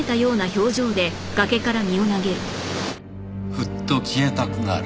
ふっと消えたくなる。